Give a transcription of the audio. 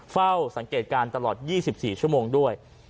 เฝ้าสังเกตการณ์ตลอด๒๔ชั่วโมงด้วย